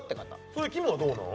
それきむはどうなの？